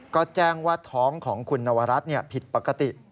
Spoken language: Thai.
ก็แจ้งว่าท้องของคุณนวรัฐผิดปกติ